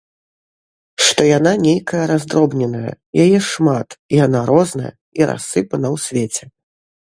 Што яна нейкая раздробненая, яе шмат, яна розная, і рассыпана ў свеце.